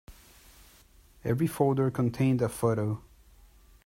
Every folder contained a photo.